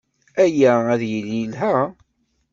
Aya ad yili yelha.